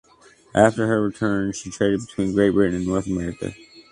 After her return she traded between Great Britain and North America.